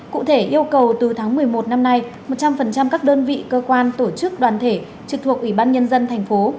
cụ thể yêu cầu từ tháng một mươi một năm nay một trăm linh các đơn vị cơ quan tổ chức đoàn thể trực thuộc ủy ban nhân dân thành phố